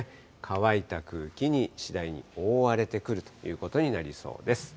乾いた空気に次第に覆われてくるということになりそうです。